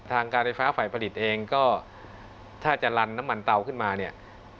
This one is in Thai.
ทางการไฟฟ้าฝ่ายผลิตเองก็ถ้าจะลั้นน้ำมันเตาขึ้นมาก็ต้องดูก่อนนะครับ